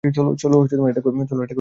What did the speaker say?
চলো এটা করে ফেলি।